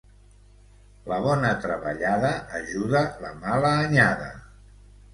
La bona treballada ajuda la mala anyada.